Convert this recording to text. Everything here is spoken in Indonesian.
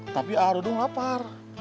tapi aduh dong lapar